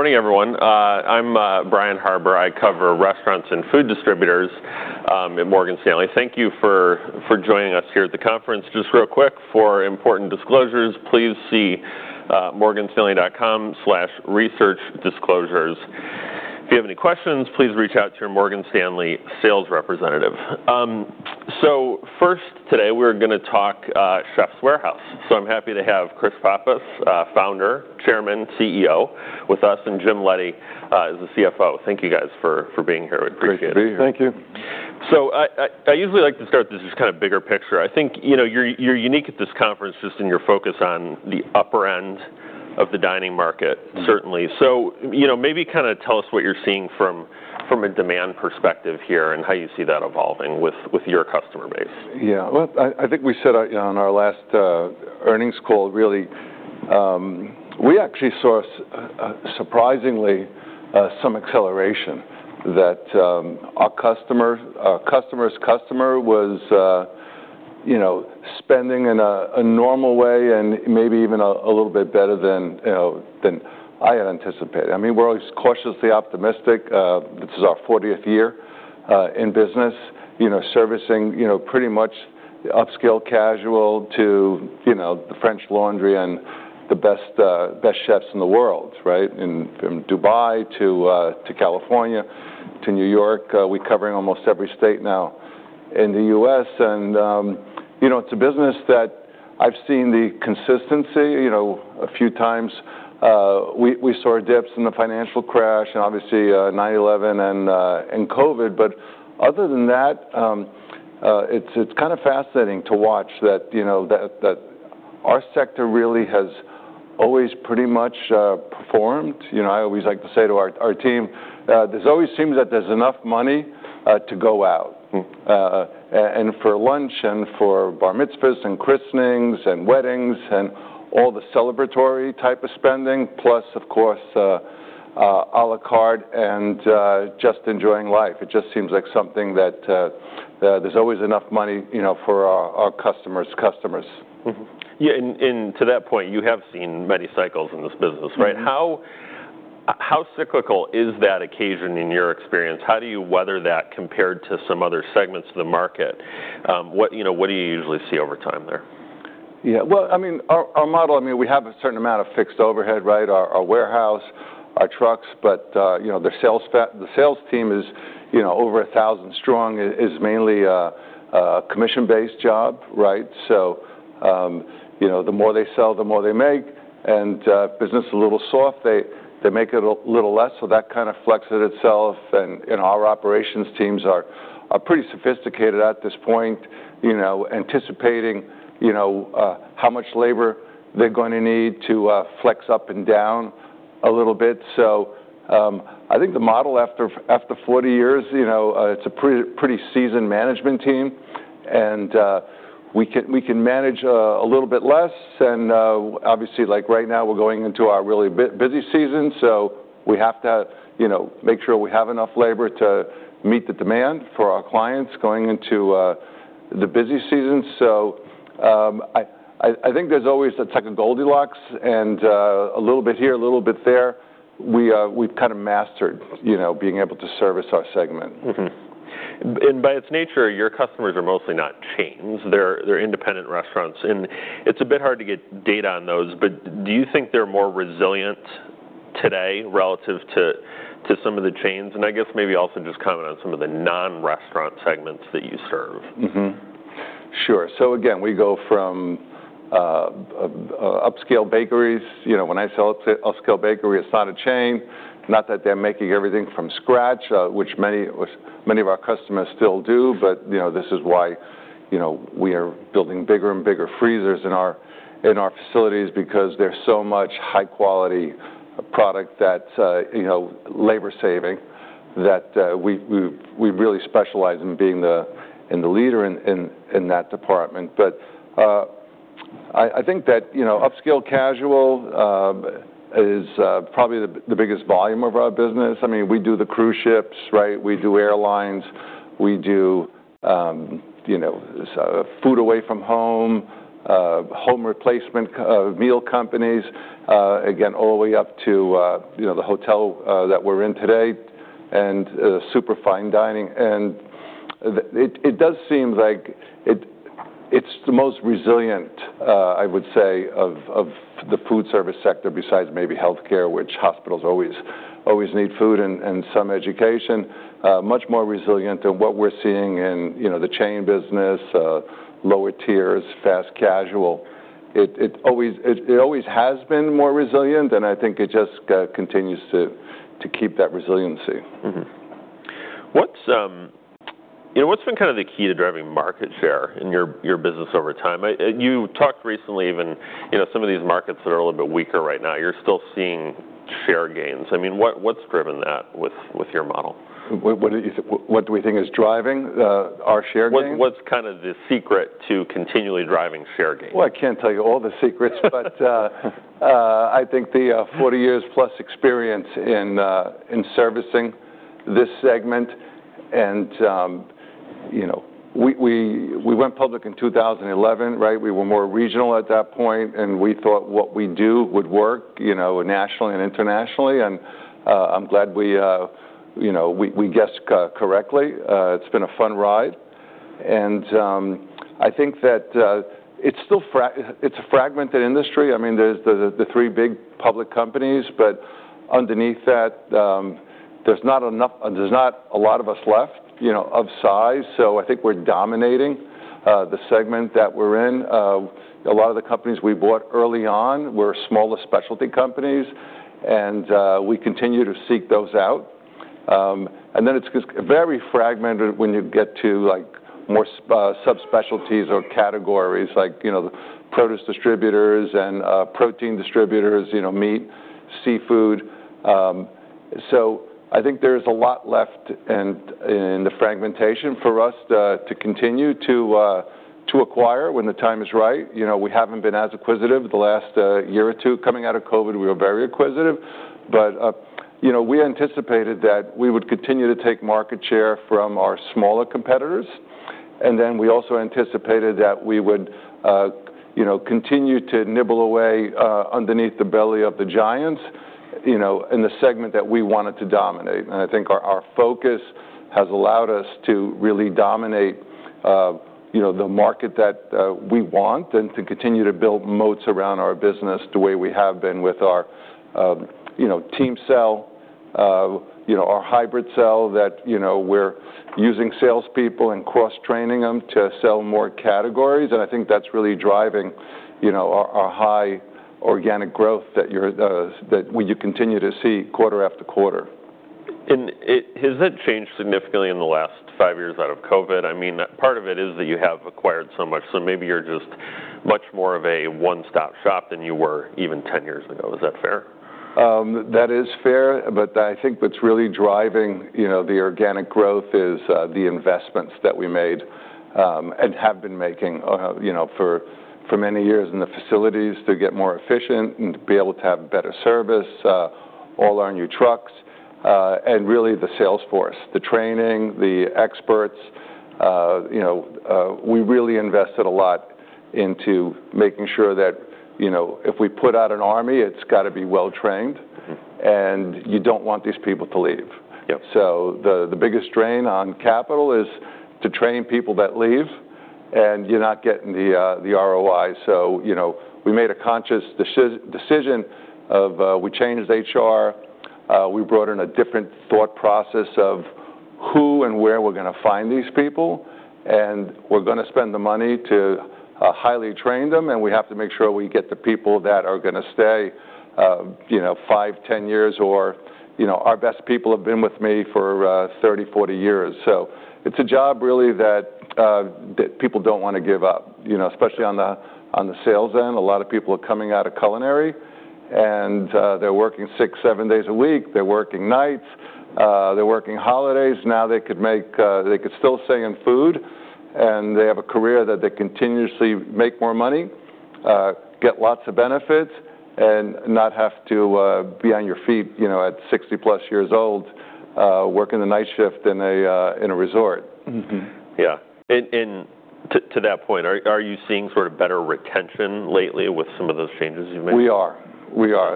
Morning, everyone. I'm Brian Harbour. I cover restaurants and food distributors at Morgan Stanley. Thank you for joining us here at the conference. Just real quick, for important disclosures, please see morganstanley.com/researchdisclosures. If you have any questions, please reach out to your Morgan Stanley sales representative. First today, we're going to talk Chefs' Warehouse. I'm happy to have Chris Pappas, founder, chairman, CEO, with us, and Jim Leddy as the CFO. Thank you, guys, for being here. We appreciate it. Great to be here. Thank you. I usually like to start with this kind of bigger picture. I think you're unique at this conference just in your focus on the upper end of the dining market, certainly. Maybe kind of tell us what you're seeing from a demand perspective here and how you see that evolving with your customer base. Yeah. I think we said on our last earnings call, really, we actually saw, surprisingly, some acceleration that our customer's customer was spending in a normal way and maybe even a little bit better than I had anticipated. I mean, we're always cautiously optimistic. This is our 40th year in business, servicing pretty much upscale casual to the French Laundry and the best chefs in the world, right, from Dubai to California to New York. We're covering almost every state now in the U.S. It's a business that I've seen the consistency. A few times, we saw dips in the financial crash and, obviously, 9/11 and COVID. Other than that, it's kind of fascinating to watch that our sector really has always pretty much performed. I always like to say to our team, there always seems that there's enough money to go out. For lunch and for bar mitzvahs and christenings and weddings and all the celebratory type of spending, plus, of course, à la carte and just enjoying life. It just seems like something that there's always enough money for our customer's customers. Yeah. To that point, you have seen many cycles in this business, right? How cyclical is that occasion in your experience? How do you weather that compared to some other segments of the market? What do you usually see over time there? Yeah. I mean, our model, I mean, we have a certain amount of fixed overhead, right, our warehouse, our trucks. The sales team is over 1,000 strong, is mainly a commission-based job, right? The more they sell, the more they make. If business is a little soft, they make a little less, so that kind of flexes itself. Our operations teams are pretty sophisticated at this point, anticipating how much labor they're going to need to flex up and down a little bit. I think the model after 40 years, it's a pretty seasoned management team. We can manage a little bit less. Obviously, like right now, we're going into our really busy season. We have to make sure we have enough labor to meet the demand for our clients going into the busy season. I think there's always a touch of Goldilocks and a little bit here, a little bit there. We've kind of mastered being able to service our segment. By its nature, your customers are mostly not chains. They are independent restaurants. It is a bit hard to get data on those. Do you think they are more resilient today relative to some of the chains? I guess maybe also just comment on some of the non-restaurant segments that you serve. Sure. Again, we go from upscale bakeries. When I say upscale bakery, it's not a chain. Not that they're making everything from scratch, which many of our customers still do. This is why we are building bigger and bigger freezers in our facilities because there's so much high-quality product that's labor-saving that we really specialize in being the leader in that department. I think that upscale casual is probably the biggest volume of our business. I mean, we do the cruise ships, right? We do airlines. We do food away from home, home replacement meal companies, again, all the way up to the hotel that we're in today and super fine dining. It does seem like it's the most resilient, I would say, of the food service sector besides maybe healthcare, which hospitals always need food and some education. Much more resilient than what we're seeing in the chain business, lower tiers, fast casual. It always has been more resilient, and I think it just continues to keep that resiliency. What's been kind of the key to driving market share in your business over time? You talked recently even some of these markets that are a little bit weaker right now. You're still seeing share gains. I mean, what's driven that with your model? What do we think is driving our share gains? What's kind of the secret to continually driving share gains? I can't tell you all the secrets, but I think the 40 years-plus experience in servicing this segment. We went public in 2011, right? We were more regional at that point, and we thought what we do would work nationally and internationally. I'm glad we guessed correctly. It's been a fun ride. I think that it's a fragmented industry. I mean, there's the three big public companies, but underneath that, there's not a lot of us left of size. I think we're dominating the segment that we're in. A lot of the companies we bought early on were smaller specialty companies, and we continue to seek those out. It's very fragmented when you get to more subspecialties or categories like produce distributors and protein distributors, meat, seafood. I think there is a lot left in the fragmentation for us to continue to acquire when the time is right. We haven't been as acquisitive the last year or two. Coming out of COVID, we were very acquisitive. We anticipated that we would continue to take market share from our smaller competitors. We also anticipated that we would continue to nibble away underneath the belly of the giants in the segment that we wanted to dominate. I think our focus has allowed us to really dominate the market that we want and to continue to build moats around our business the way we have been with our team cell, our hybrid cell that we're using salespeople and cross-training them to sell more categories. I think that's really driving our high organic growth that you continue to see quarter after quarter. Has that changed significantly in the last five years out of COVID? I mean, part of it is that you have acquired so much. Maybe you are just much more of a one-stop shop than you were even 10 years ago. Is that fair? That is fair. I think what's really driving the organic growth is the investments that we made and have been making for many years in the facilities to get more efficient and to be able to have better service, all our new trucks, and really the salesforce, the training, the experts. We really invested a lot into making sure that if we put out an army, it's got to be well-trained, and you don't want these people to leave. The biggest drain on capital is to train people that leave, and you're not getting the ROI. We made a conscious decision of we changed HR. We brought in a different thought process of who and where we're going to find these people. We're going to spend the money to highly train them. We have to make sure we get the people that are going to stay 5, 10 years. Our best people have been with me for 30, 40 years. It is a job really that people do not want to give up, especially on the sales end. A lot of people are coming out of culinary, and they are working six, seven days a week. They are working nights. They are working holidays. Now they could still stay in food, and they have a career that they continuously make more money, get lots of benefits, and not have to be on your feet at 60-plus years old working the night shift in a resort. Yeah. To that point, are you seeing sort of better retention lately with some of those changes you've made? We are.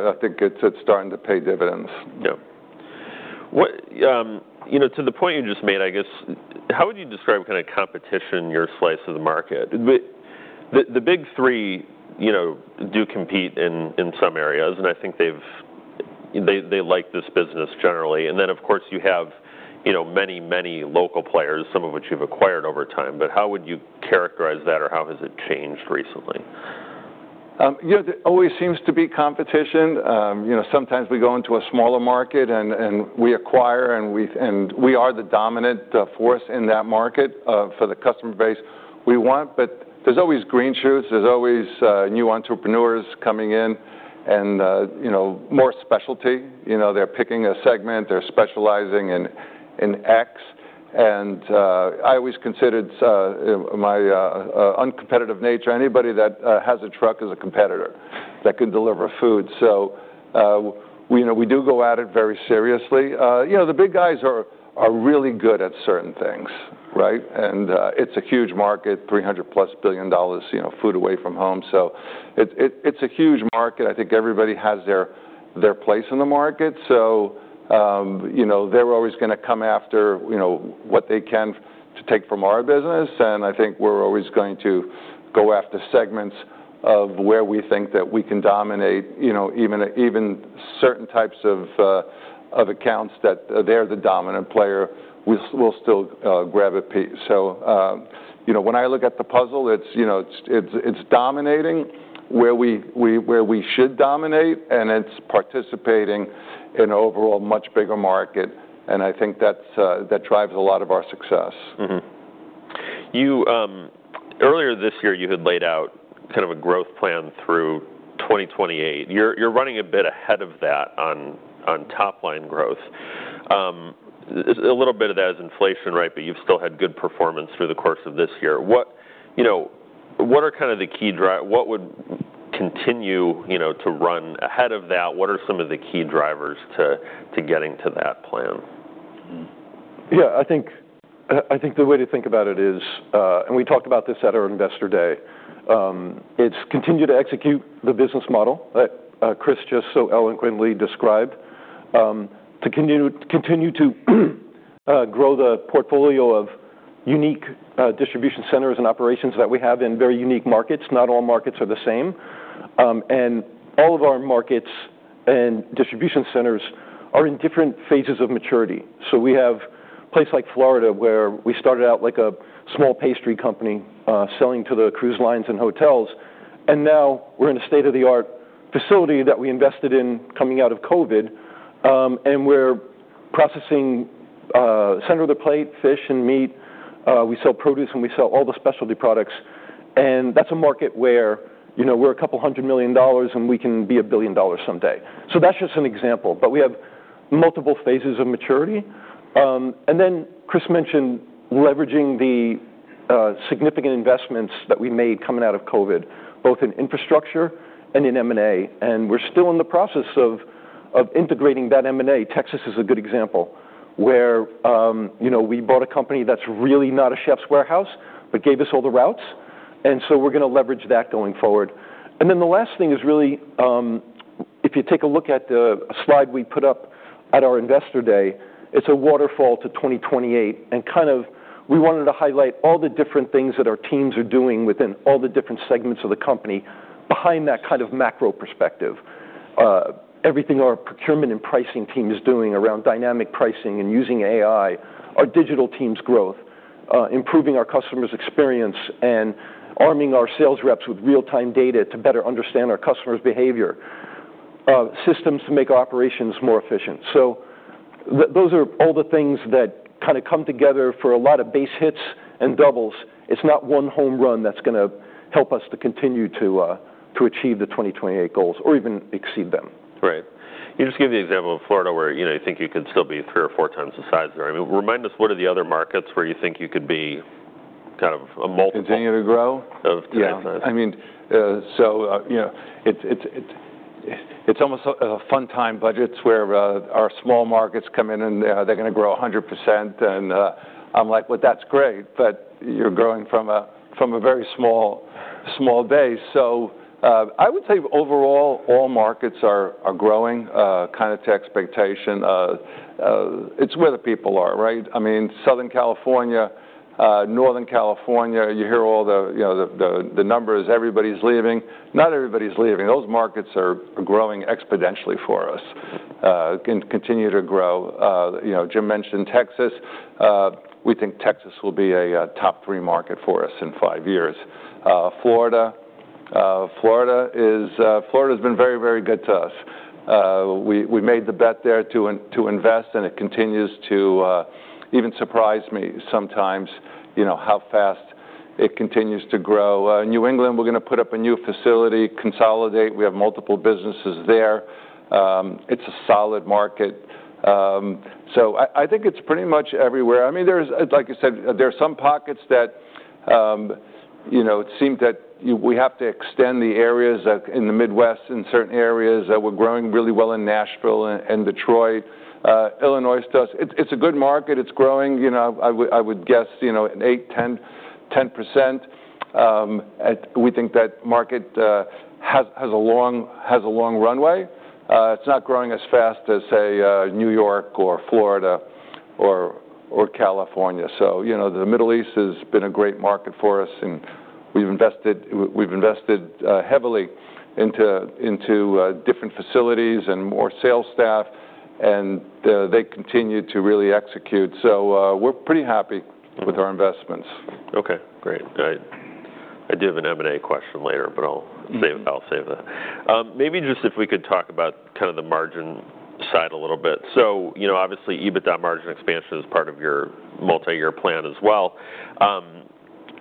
I think it's starting to pay dividends. Yeah. To the point you just made, I guess, how would you describe kind of competition, your slice of the market? The big three do compete in some areas, and I think they like this business generally. Of course, you have many, many local players, some of which you've acquired over time. How would you characterize that, or how has it changed recently? There always seems to be competition. Sometimes we go into a smaller market, and we acquire, and we are the dominant force in that market for the customer base we want. There are always green shoots. There are always new entrepreneurs coming in and more specialty. They are picking a segment. They are specializing in XI always considered my uncompetitive nature. Anybody that has a truck is a competitor that can deliver food. We do go at it very seriously. The big guys are really good at certain things, right? It is a huge market, $300-plus billion food away from home. It is a huge market. I think everybody has their place in the market. They are always going to come after what they can to take from our business. I think we are always going to go after segments of where we think that we can dominate. Even certain types of accounts that they're the dominant player, we'll still grab a piece. When I look at the puzzle, it's dominating where we should dominate, and it's participating in an overall much bigger market. I think that drives a lot of our success. Earlier this year, you had laid out kind of a growth plan through 2028. You're running a bit ahead of that on top-line growth. A little bit of that is inflation, right? But you've still had good performance through the course of this year. What are kind of the key drivers? What would continue to run ahead of that? What are some of the key drivers to getting to that plan? Yeah. I think the way to think about it is, and we talked about this at our investor day, it's continue to execute the business model that Chris just so eloquently described. To continue to grow the portfolio of unique distribution centers and operations that we have in very unique markets. Not all markets are the same. All of our markets and distribution centers are in different phases of maturity. We have a place like Florida where we started out like a small pastry company selling to the cruise lines and hotels. Now we're in a state-of-the-art facility that we invested in coming out of COVID. We're processing center of the plate fish and meat. We sell produce, and we sell all the specialty products. That's a market where we're a couple hundred million dollars, and we can be a billion dollars someday. That's just an example. We have multiple phases of maturity. Chris mentioned leveraging the significant investments that we made coming out of COVID, both in infrastructure and in M&A. We're still in the process of integrating that M&A. Texas is a good example where we bought a company that's really not a Chefs' Warehouse but gave us all the routes. We're going to leverage that going forward. The last thing is really, if you take a look at the slide we put up at our investor day, it's a waterfall to 2028. We wanted to highlight all the different things that our teams are doing within all the different segments of the company behind that kind of macro perspective. Everything our procurement and pricing team is doing around dynamic pricing and using AI, our digital team's growth, improving our customer's experience, and arming our sales reps with real-time data to better understand our customer's behavior, systems to make our operations more efficient. Those are all the things that kind of come together for a lot of base hits and doubles. It is not one home run that is going to help us to continue to achieve the 2028 goals or even exceed them. Right. You just gave the example of Florida where you think you could still be three or four times the size there. I mean, remind us, what are the other markets where you think you could be kind of a multiple? Continue to grow? Yeah. I mean, so it's almost a fun time budgets where our small markets come in, and they're going to grow 100%. I'm like, "Well, that's great, but you're growing from a very small base." I would say overall, all markets are growing kind of to expectation. It's where the people are, right? I mean, Southern California, Northern California, you hear all the numbers. Everybody's leaving. Not everybody's leaving. Those markets are growing exponentially for us and continue to grow. Jim mentioned Texas. We think Texas will be a top three market for us in five years. Florida has been very, very good to us. We made the bet there to invest, and it continues to even surprise me sometimes how fast it continues to grow. New England, we're going to put up a new facility, consolidate. We have multiple businesses there. It's a solid market. I think it's pretty much everywhere. I mean, like you said, there are some pockets that it seemed that we have to extend the areas in the Midwest in certain areas. We're growing really well in Nashville and Detroit. Illinois does. It's a good market. It's growing, I would guess, 8-10%. We think that market has a long runway. It's not growing as fast as, say, New York or Florida or California. The Middle East has been a great market for us, and we've invested heavily into different facilities and more sales staff, and they continue to really execute. We're pretty happy with our investments. Okay. Great. I do have an M&A question later, but I'll save that. Maybe just if we could talk about kind of the margin side a little bit. Obviously, EBITDA margin expansion is part of your multi-year plan as well.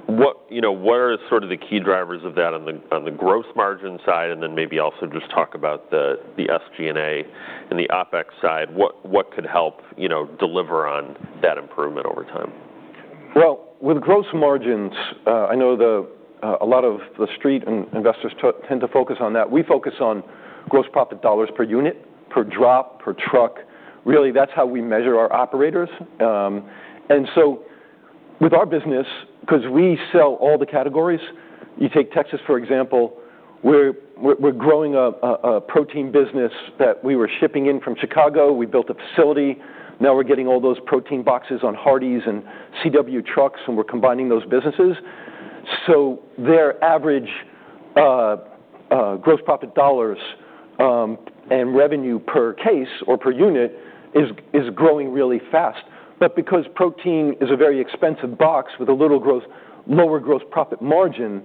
What are sort of the key drivers of that on the gross margin side? Then maybe also just talk about the SG&A and the OpEx side. What could help deliver on that improvement over time? With gross margins, I know a lot of the street investors tend to focus on that. We focus on gross profit dollars per unit, per drop, per truck. Really, that's how we measure our operators. And with our business, because we sell all the categories, you take Texas, for example. We're growing a protein business that we were shipping in from Chicago. We built a facility. Now we're getting all those protein boxes on Hardie's and CW trucks, and we're combining those businesses. Their average gross profit dollars and revenue per case or per unit is growing really fast. Because protein is a very expensive box with a little lower gross profit margin,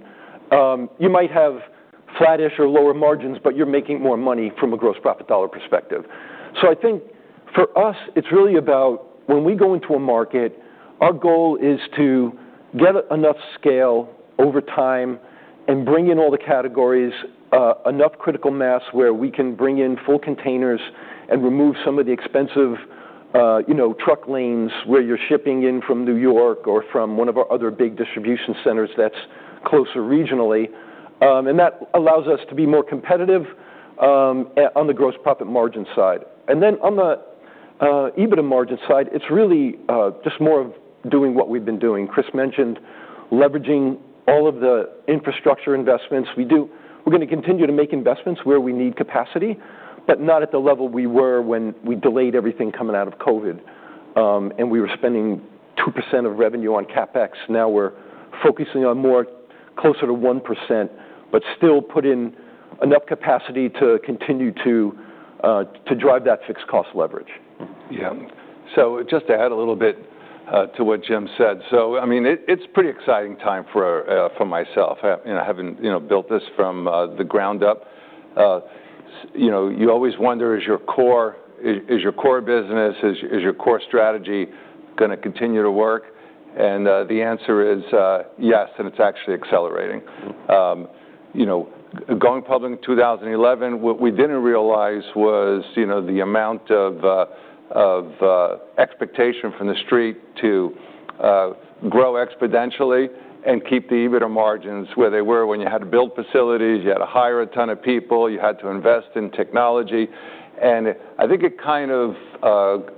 you might have flattish or lower margins, but you're making more money from a gross profit dollar perspective. I think for us, it's really about when we go into a market, our goal is to get enough scale over time and bring in all the categories, enough critical mass where we can bring in full containers and remove some of the expensive truck lanes where you're shipping in from New York or from one of our other big distribution centers that's closer regionally. That allows us to be more competitive on the gross profit margin side. On the EBITDA margin side, it's really just more of doing what we've been doing. Chris mentioned leveraging all of the infrastructure investments. We're going to continue to make investments where we need capacity, but not at the level we were when we delayed everything coming out of COVID. We were spending 2% of revenue on CapEx. Now we're focusing on more closer to 1%, but still put in enough capacity to continue to drive that fixed cost leverage. Yeah. Just to add a little bit to what Jim said, I mean, it's a pretty exciting time for myself. I haven't built this from the ground up. You always wonder, is your core business, is your core strategy going to continue to work? The answer is yes, and it's actually accelerating. Going public in 2011, what we didn't realize was the amount of expectation from the street to grow exponentially and keep the EBITDA margins where they were when you had to build facilities, you had to hire a ton of people, you had to invest in technology. I think it kind of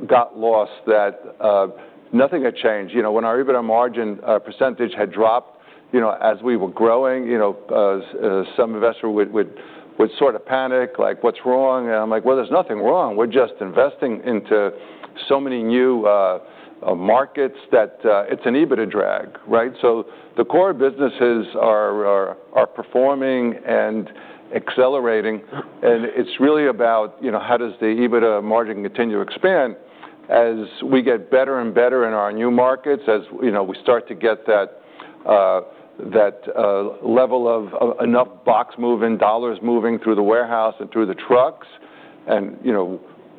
got lost that nothing had changed. When our EBITDA margin percentage had dropped as we were growing, some investor would sort of panic, like, "What's wrong?" I'm like, "There's nothing wrong. We're just investing into so many new markets that it's an EBITDA drag, right? The core businesses are performing and accelerating. It's really about how does the EBITDA margin continue to expand as we get better and better in our new markets, as we start to get that level of enough box moving dollars moving through the warehouse and through the trucks, and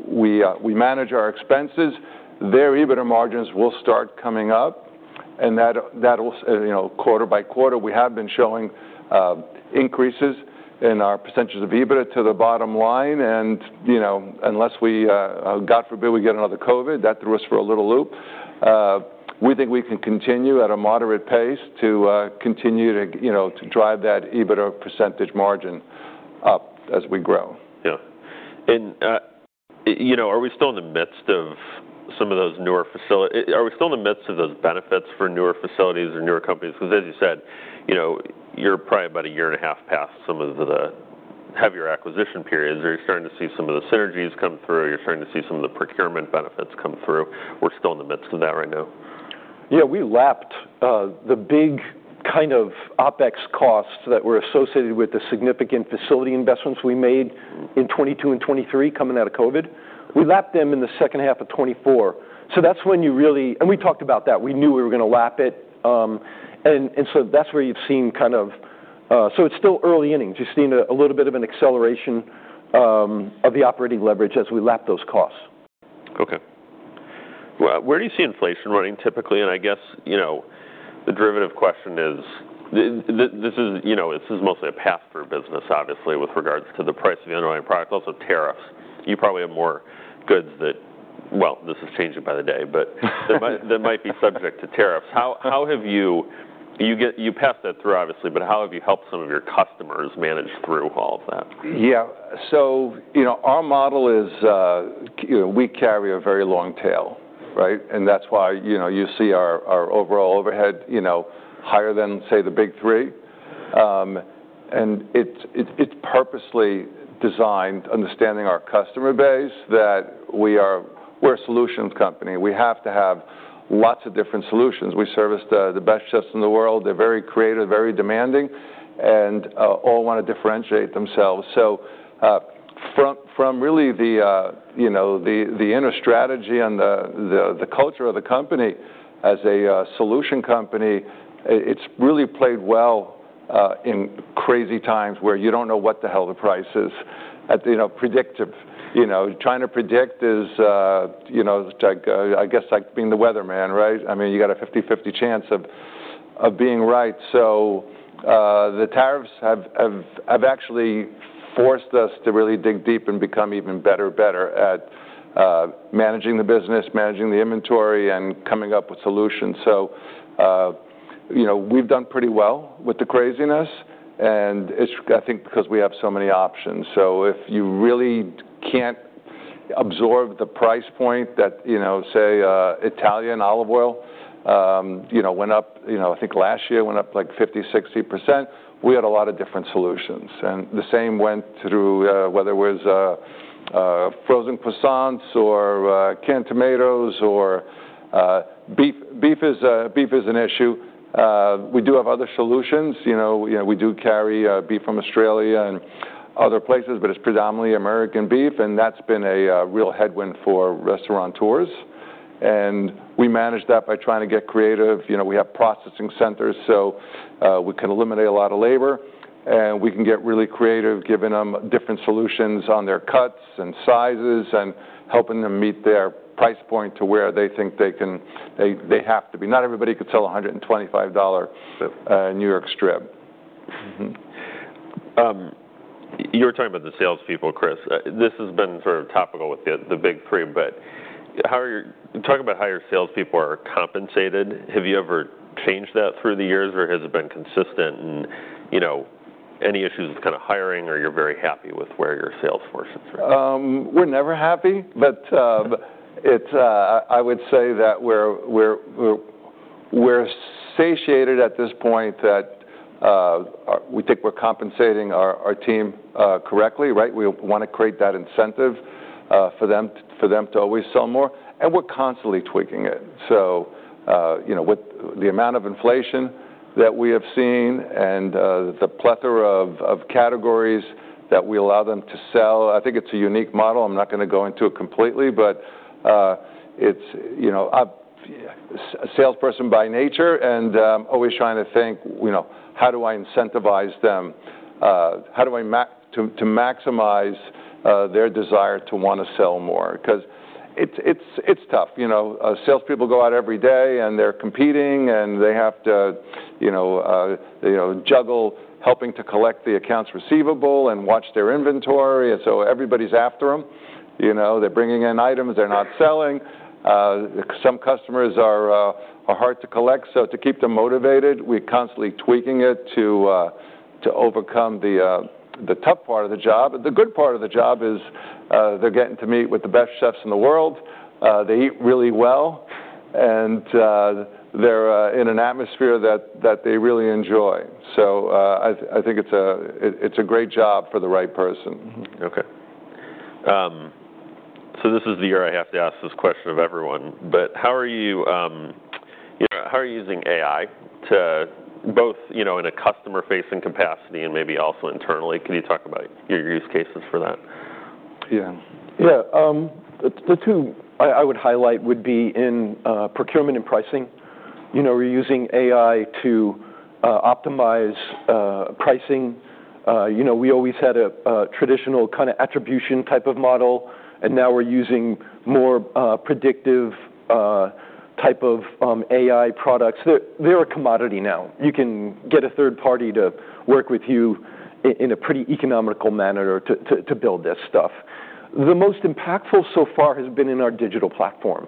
we manage our expenses. Their EBITDA margins will start coming up. That will, quarter by quarter, we have been showing increases in our percentages of EBITDA to the bottom line. Unless we, God forbid, we get another COVID, that threw us for a little loop, we think we can continue at a moderate pace to continue to drive that EBITDA percentage margin up as we grow. Yeah. Are we still in the midst of some of those newer facilities? Are we still in the midst of those benefits for newer facilities or newer companies? Because, as you said, you're probably about a year and a half past some of the heavier acquisition periods. Are you starting to see some of the synergies come through? Are you starting to see some of the procurement benefits come through? We're still in the midst of that right now. Yeah. We lapped the big kind of OpEx costs that were associated with the significant facility investments we made in 22 and23 coming out of COVID. We lapped them in the second half of 24. That is when you really—and we talked about that. We knew we were going to lap it. That is where you have seen kind of—it is still early innings. You are seeing a little bit of an acceleration of the operating leverage as we lap those costs. Okay. Where do you see inflation running typically? I guess the derivative question is this is mostly a pass-through business, obviously, with regards to the price of the underlying product, also tariffs. You probably have more goods that—this is changing by the day—but that might be subject to tariffs. How have you—you passed that through, obviously, but how have you helped some of your customers manage through all of that? Yeah. Our model is we carry a very long tail, right? That's why you see our overall overhead higher than, say, the big three. It's purposely designed, understanding our customer base, that we're a solutions company. We have to have lots of different solutions. We service the best Chef's in the world. They're very creative, very demanding, and all want to differentiate themselves. From really the inner strategy and the culture of the company as a solution company, it's really played well in crazy times where you don't know what the hell the price is. Predictive. Trying to predict is, I guess, like being the weatherman, right? I mean, you got a 50/50 chance of being right. The tariffs have actually forced us to really dig deep and become even better at managing the business, managing the inventory, and coming up with solutions. We've done pretty well with the craziness, and it's, I think, because we have so many options. If you really can't absorb the price point that, say, Italian olive oil went up, I think last year went up like 50-60%, we had a lot of different solutions. The same went through whether it was frozen croissants or canned tomatoes or beef. Beef is an issue. We do have other solutions. We do carry beef from Australia and other places, but it's predominantly American beef. That's been a real headwind for restaurateurs. We manage that by trying to get creative. We have processing centers, so we can eliminate a lot of labor. We can get really creative, giving them different solutions on their cuts and sizes and helping them meet their price point to where they think they have to be. Not everybody could sell a $125 New York strip. You were talking about the salespeople, Chris. This has been sort of topical with the big three, but talk about how your salespeople are compensated. Have you ever changed that through the years, or has it been consistent? Any issues with kind of hiring, or you're very happy with where your salesforce is right now? We're never happy, but I would say that we're satiated at this point that we think we're compensating our team correctly, right? We want to create that incentive for them to always sell more. We're constantly tweaking it. With the amount of inflation that we have seen and the plethora of categories that we allow them to sell, I think it's a unique model. I'm not going to go into it completely, but it's a salesperson by nature and always trying to think, "How do I incentivize them? How do I maximize their desire to want to sell more?" It’s tough. Salespeople go out every day, and they're competing, and they have to juggle helping to collect the accounts receivable and watch their inventory. Everybody's after them. They're bringing in items. They're not selling. Some customers are hard to collect. To keep them motivated, we're constantly tweaking it to overcome the tough part of the job. The good part of the job is they're getting to meet with the best chefs in the world. They eat really well, and they're in an atmosphere that they really enjoy. I think it's a great job for the right person. Okay. This is the year I have to ask this question of everyone. How are you using AI, both in a customer-facing capacity and maybe also internally? Can you talk about your use cases for that? Yeah. Yeah. The two I would highlight would be in procurement and pricing. We're using AI to optimize pricing. We always had a traditional kind of attribution type of model, and now we're using more predictive type of AI products. They're a commodity now. You can get a third party to work with you in a pretty economical manner to build this stuff. The most impactful so far has been in our digital platform.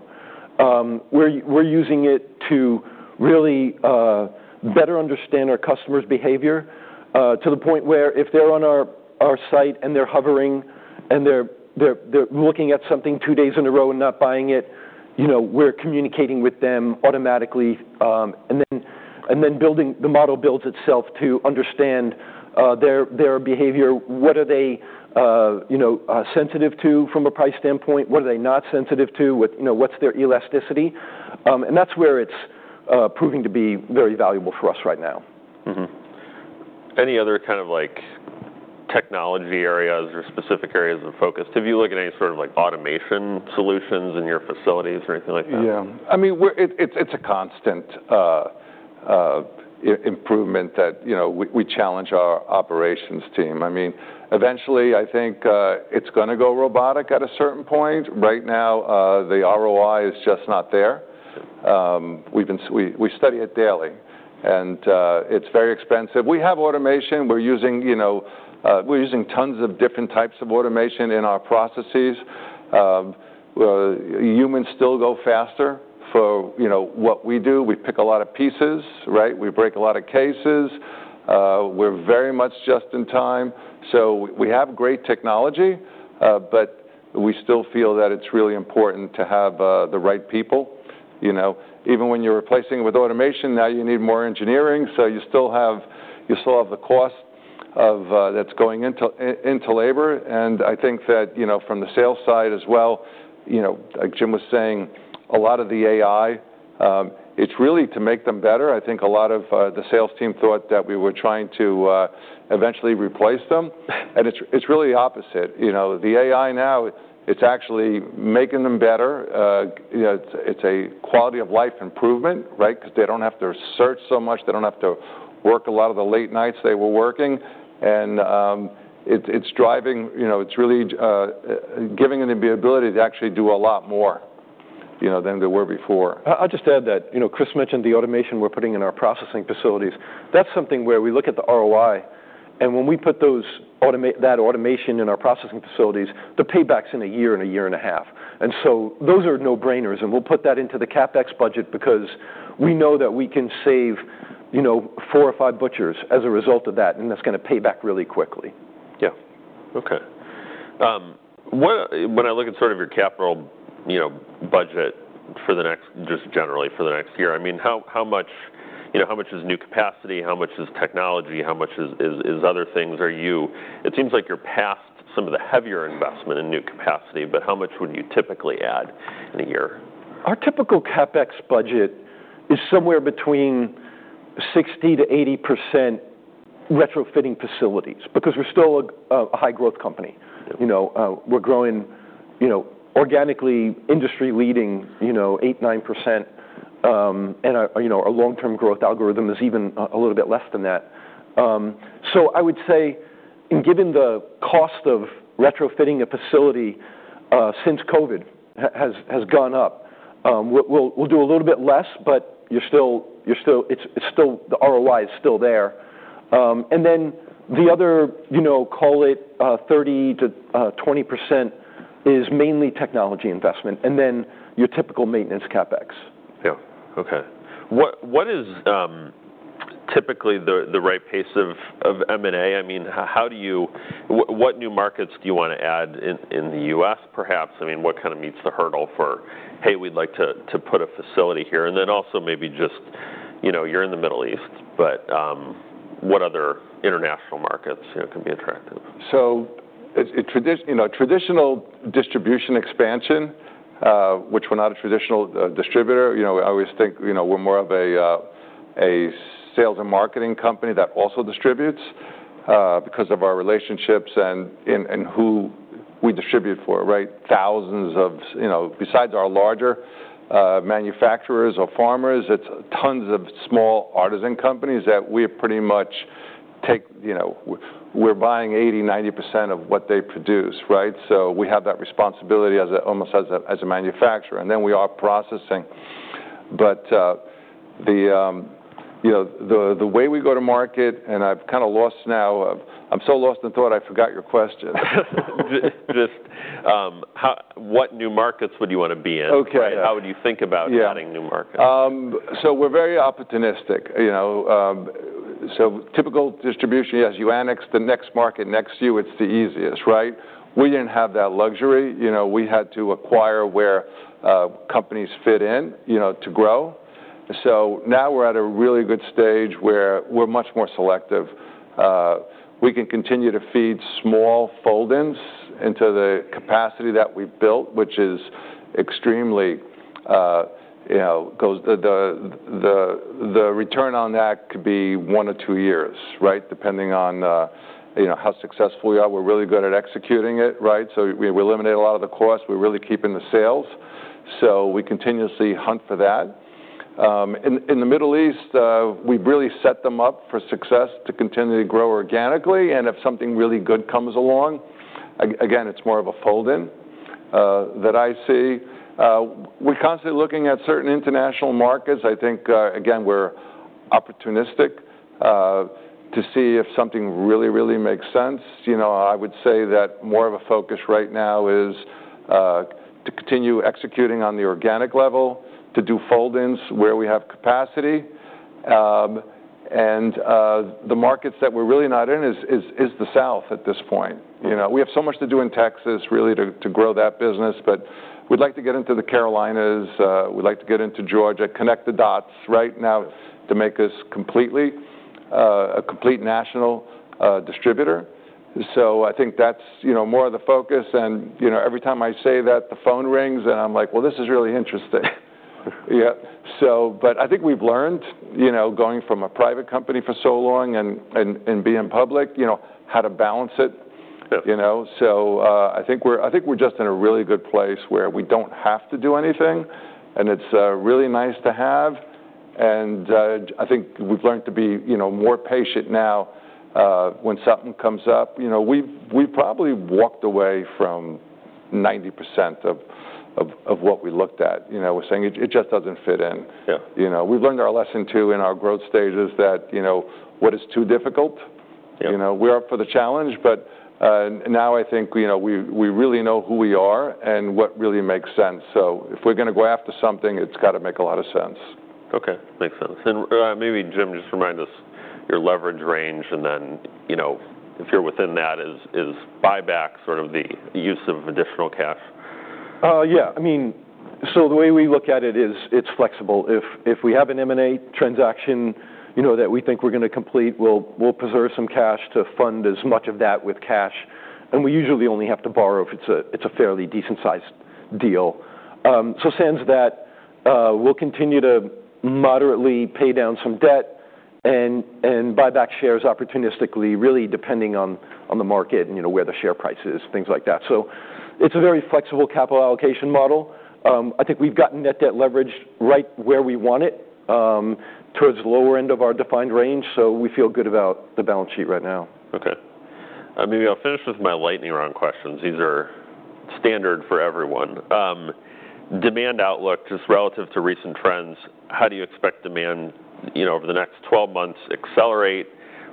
We're using it to really better understand our customers' behavior to the point where if they're on our site and they're hovering and they're looking at something two days in a row and not buying it, we're communicating with them automatically. The model builds itself to understand their behavior. What are they sensitive to from a price standpoint? What are they not sensitive to? What's their elasticity? That is where it is proving to be very valuable for us right now. Any other kind of technology areas or specific areas of focus? Have you looked at any sort of automation solutions in your facilities or anything like that? Yeah. I mean, it's a constant improvement that we challenge our operations team. I mean, eventually, I think it's going to go robotic at a certain point. Right now, the ROI is just not there. We study it daily, and it's very expensive. We have automation. We're using tons of different types of automation in our processes. Humans still go faster for what we do. We pick a lot of pieces, right? We break a lot of cases. We're very much just in time. We have great technology, but we still feel that it's really important to have the right people. Even when you're replacing with automation, now you need more engineering. You still have the cost that's going into labor. I think that from the sales side as well, like Jim was saying, a lot of the AI, it's really to make them better. I think a lot of the sales team thought that we were trying to eventually replace them. It is really the opposite. The AI now, it is actually making them better. It is a quality of life improvement, right? Because they do not have to search so much. They do not have to work a lot of the late nights they were working. It is driving. It is really giving them the ability to actually do a lot more than they were before. I'll just add that Chris mentioned the automation we're putting in our processing facilities. That's something where we look at the ROI. When we put that automation in our processing facilities, the payback's in a year and a year and a half. Those are no-brainers. We'll put that into the CapEx budget because we know that we can save four or five butchers as a result of that, and that's going to pay back really quickly. Yeah. Okay. When I look at sort of your capital budget for the next, just generally for the next year, I mean, how much is new capacity? How much is technology? How much is other things? It seems like you're past some of the heavier investment in new capacity, but how much would you typically add in a year? Our typical CapEx budget is somewhere between 60%-80% retrofitting facilities because we're still a high-growth company. We're growing organically, industry-leading, 8%, 9%. Our long-term growth algorithm is even a little bit less than that. I would say, given the cost of retrofitting a facility since COVID has gone up, we'll do a little bit less, but the ROI is still there. The other, call it 30%-20%, is mainly technology investment and then your typical maintenance CapEx. Yeah. Okay. What is typically the right pace of M&A? I mean, what new markets do you want to add in the U.S., perhaps? I mean, what kind of meets the hurdle for, "Hey, we'd like to put a facility here"? Also maybe just you're in the Middle East, but what other international markets can be attractive? Traditional distribution expansion, which we're not a traditional distributor. I always think we're more of a sales and marketing company that also distributes because of our relationships and who we distribute for, right? Thousands of, besides our larger manufacturers or farmers, it's tons of small artisan companies that we pretty much take—we're buying 80-90% of what they produce, right? We have that responsibility almost as a manufacturer. We are processing. The way we go to market, and I've kind of lost now—I am so lost in thought, I forgot your question. Just what new markets would you want to be in? How would you think about adding new markets? We're very opportunistic. Typical distribution, as you annex the next market next year, it's the easiest, right? We didn't have that luxury. We had to acquire where companies fit in to grow. Now we're at a really good stage where we're much more selective. We can continue to feed small fold-ins into the capacity that we've built, which is extremely—the return on that could be one or two years, right, depending on how successful we are. We're really good at executing it, right? We eliminate a lot of the cost. We're really keeping the sales. We continuously hunt for that. In the Middle East, we've really set them up for success to continue to grow organically. If something really good comes along, again, it's more of a fold-in that I see. We're constantly looking at certain international markets. I think, again, we're opportunistic to see if something really, really makes sense. I would say that more of a focus right now is to continue executing on the organic level, to do fold-ins where we have capacity. The markets that we're really not in is the South at this point. We have so much to do in Texas, really, to grow that business, but we'd like to get into the Carolinas. We'd like to get into Georgia. Connect the dots, right, now to make us a complete national distributor. I think that's more of the focus. Every time I say that, the phone rings, and I'm like, "Well, this is really interesting." Yeah. I think we've learned going from a private company for so long and being public how to balance it. I think we're just in a really good place where we don't have to do anything, and it's really nice to have. I think we've learned to be more patient now when something comes up. We probably walked away from 90% of what we looked at. We're saying it just doesn't fit in. We've learned our lesson too in our growth stages that what is too difficult, we're up for the challenge. Now I think we really know who we are and what really makes sense. If we're going to go after something, it's got to make a lot of sense. Okay. Makes sense. Maybe Jim, just remind us your leverage range, and then if you're within that, is buyback sort of the use of additional cash? Yeah. I mean, the way we look at it is it's flexible. If we have an M&A transaction that we think we're going to complete, we'll preserve some cash to fund as much of that with cash. We usually only have to borrow if it's a fairly decent-sized deal. It stands that we'll continue to moderately pay down some debt and buy back shares opportunistically, really depending on the market and where the share price is, things like that. It's a very flexible capital allocation model. I think we've gotten net debt leverage right where we want it towards the lower end of our defined range. We feel good about the balance sheet right now. Okay. Maybe I'll finish with my lightning round questions. These are standard for everyone. Demand outlook just relative to recent trends. How do you expect demand over the next 12 months accelerate,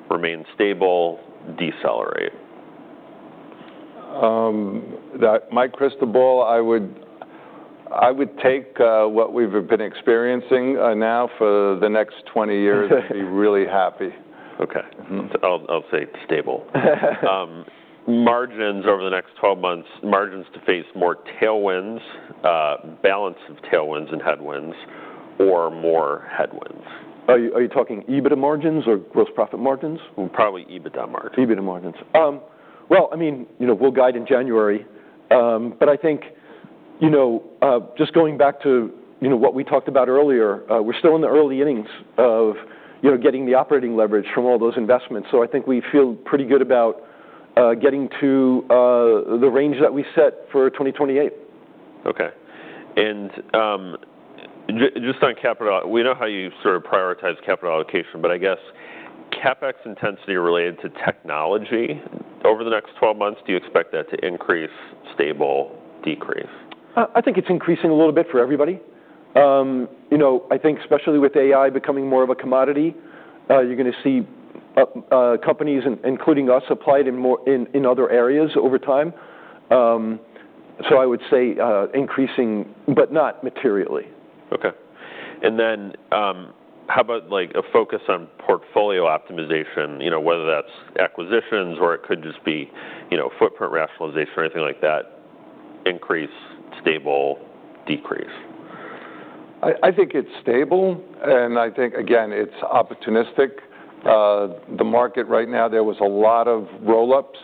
remain stable, decelerate? My crystal ball, I would take what we've been experiencing now for the next 20 years and be really happy. Okay. I'll say stable. Margins over the next 12 months, margins to face more tailwinds, balance of tailwinds and headwinds, or more headwinds? Are you talking EBITDA margins or gross profit margins? Probably EBITDA margins. EBITDA margins. I mean, we'll guide in January. But I think just going back to what we talked about earlier, we're still in the early innings of getting the operating leverage from all those investments. I think we feel pretty good about getting to the range that we set for 2028. Okay. Just on capital, we know how you sort of prioritize capital allocation, but I guess CapEx intensity related to technology over the next 12 months, do you expect that to increase, stable, decrease? I think it's increasing a little bit for everybody. I think especially with AI becoming more of a commodity, you're going to see companies, including us, applied in other areas over time. I would say increasing, but not materially. Okay. How about a focus on portfolio optimization, whether that's acquisitions or it could just be footprint rationalization or anything like that? Increase, stable, decrease? I think it's stable. I think, again, it's opportunistic. The market right now, there was a lot of roll-ups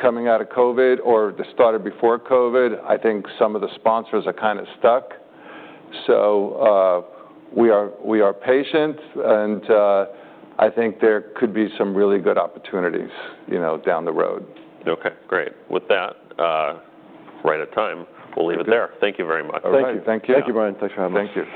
coming out of COVID or they started before COVID. I think some of the sponsors are kind of stuck. We are patient, and I think there could be some really good opportunities down the road. Okay. Great. With that, right at time, we'll leave it there. Thank you very much. Thank you. Thank you. Thank you, Brian. Thanks for having us. Thank you.